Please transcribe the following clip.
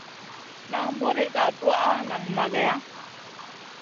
Nan buri ga tuwaʼa nang mageya.